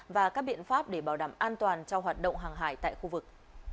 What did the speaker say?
và các biện pháp để bảo đảm an toàn cho hoạt động hàng hải tại khu vực